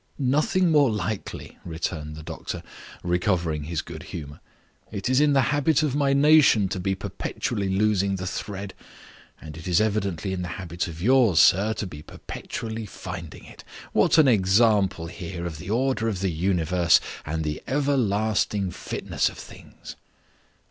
"Nothing more likely," returned the doctor, recovering his good humor. "It is in the habit of my nation to be perpetually losing the thread; and it is evidently in the habit of yours, sir, to be perpetually finding it. What an example here of the order of the universe, and the everlasting fitness of things!"